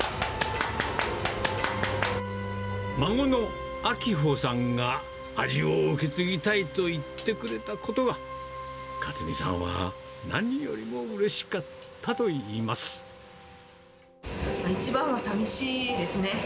孫のあきほさんが味を受け継ぎたいと言ってくれたことが、勝美さんは何よりもうれしかった一番はさみしいですね。